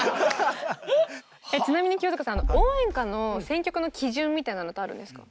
ちなみに清塚さん応援歌の選曲の基準みたいなのってあるんですか？